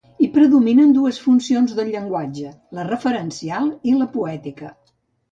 Hi predominen dues funcions del llenguatge, la referencial i la poètica.